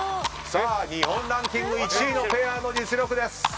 日本ランキング１位のペアの実力です。